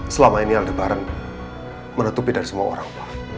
selama ini aldebaran menutupi dari semua orang